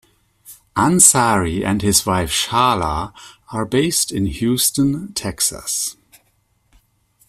Ansary and his wife Shahla are based in Houston, Texas.